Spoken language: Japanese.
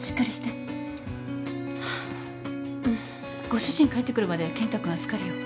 ご主人帰ってくるまで健太君預かるよ。